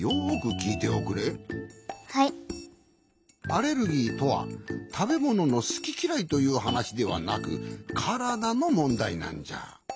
アレルギーとはたべもののすききらいというはなしではなくからだのもんだいなんじゃ。